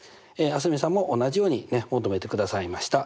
蒼澄さんも同じように求めてくださいました。